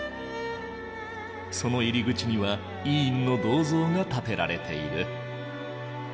その入り口には伊尹の銅像が建てられている。